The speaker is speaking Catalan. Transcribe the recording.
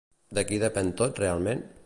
De qui depèn tot realment?